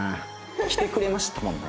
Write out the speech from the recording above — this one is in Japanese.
来てくれましたもんね